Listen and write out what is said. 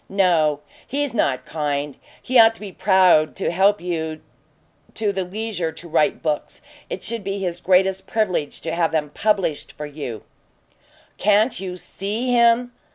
"No. He's not kind. He ought to be proud to help you to the leisure to write books; it should be his greatest privilege to have them published for you " "Can't you SEE him?"